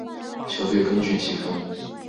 球队根据积分。